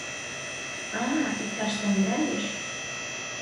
— А-а, иктаж самурай еш...